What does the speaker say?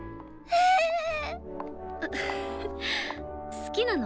好きなの？